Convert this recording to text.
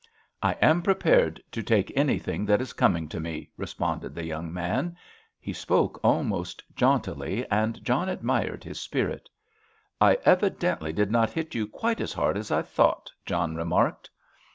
"I am prepared to take anything that is coming to me!" responded the young man. He spoke almost jauntily, and John admired his spirit. "I evidently did not hit you quite as hard as I thought," John remarked.